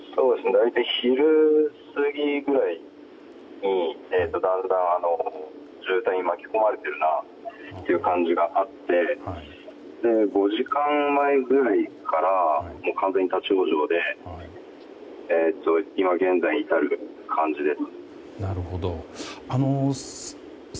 昼過ぎぐらいにだんだん、渋滞に巻き込まれてるなという感じがあって５時間前ぐらいから完全に立ち往生で今現在に至る感じです。